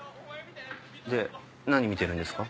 で何見てるんですか？